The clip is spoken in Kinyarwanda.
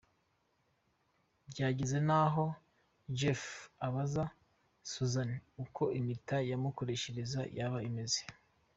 Byageze n’aho Jeff abaza Susan uko impeta yamukoreshereza yaba ingana.